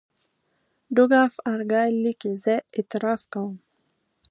ډوک آف ارګایل لیکي زه اعتراف کوم.